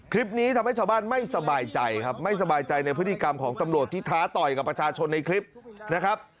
คลิปนี้ทำให้ชาวบ้านไม่สบายใจครับไม่สบายใจในพฤติกรรมของตำรวจที่ท้าต่อยกับประชาชนในคลิปนะครับ